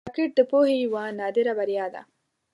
راکټ د پوهې یوه نادره بریا ده